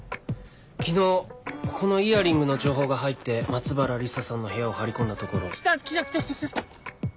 昨日このイヤリングの情報が入って松原理沙さんの部屋を張り込んだところ。来た来た来た来た！